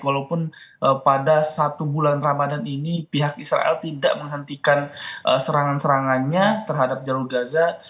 walaupun pada satu bulan ramadan ini pihak israel tidak menghentikan serangan serangannya terhadap jalur gaza